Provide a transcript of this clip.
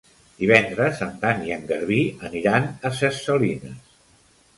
Divendres en Dan i en Garbí aniran a Ses Salines.